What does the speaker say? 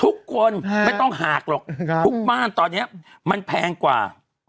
ทุกคนไม่ต้องหากหรอกทุกม่านตอนนี้มันแพงกว่า